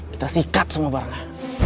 kita sikat semua barangnya